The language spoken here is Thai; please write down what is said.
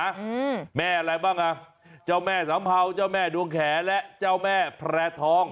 อืมแม่อะไรบ้างอ่ะเจ้าแม่สัมเภาเจ้าแม่ดวงแขและเจ้าแม่แพร่ทอง